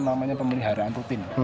namanya pemeliharaan rutin